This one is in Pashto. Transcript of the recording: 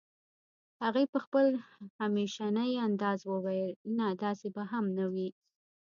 هغې په خپل همېشني انداز وويل نه داسې به هم نه وي